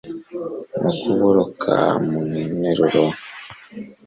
Mu kuboloka muri interro